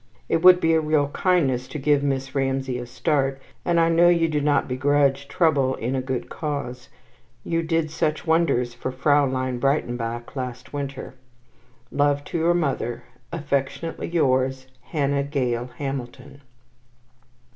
It would be a real kindness to give Miss Ramsay a start, and I know you do not begrudge trouble in a good cause. You did such wonders for Fraulein Breitenbach last winter. Love to your mother, Affectionately yours, HANNAH GALE HAMILTON.